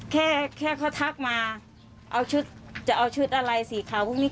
แค่เขาทักมาจะเอาชุดอะไรสีขาวพวกนี้